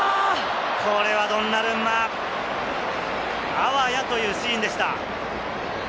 これはドンナルンマ、あわやというシーンでした。